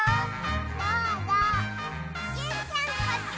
どうぞジュンちゃんこっち！